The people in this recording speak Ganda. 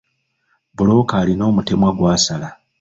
Bbulooka alina omutemwa gw'asala.